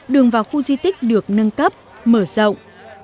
đường vào khu di tích được nâng cấp mở rộng